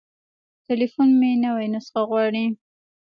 تليفون مې نوې نسخه غواړي.